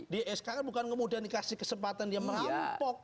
di skr bukan kemudian dikasih kesempatan dia merampok